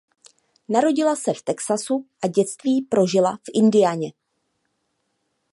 Narodila se v Texasu a dětství prožila v Indianě.